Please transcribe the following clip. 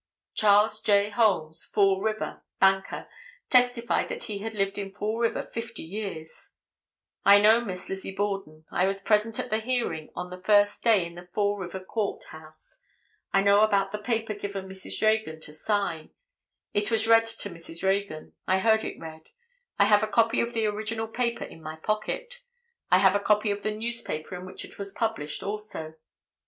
'" Charles J. Holmes, Fall River, banker, testified that he had lived in Fall River fifty years; "I know Miss Lizzie Borden; I was present at the hearing on the first day in the Fall River court house; I know about the paper given Mrs. Reagan to sign; it was read to Mrs. Reagan; I heard it read; I have a copy of the original paper in my pocket; I have a copy of the newspaper in which it was published also."